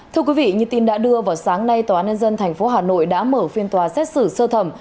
thưa quý vị như tin đã đưa vào sáng nay tòa án nhân dân tp hà nội đã mở phiên tòa xét xử sơ thẩm